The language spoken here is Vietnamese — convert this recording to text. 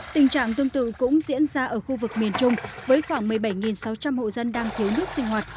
tình trạng tương tự cũng diễn ra ở khu vực miền trung với khoảng một mươi bảy sáu trăm linh hộ dân đang thiếu nước sinh hoạt